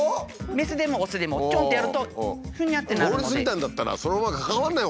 メスでもオスでもチョンってやるとフニャってなるので。